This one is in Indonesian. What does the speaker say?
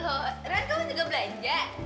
oh kamu juga belanja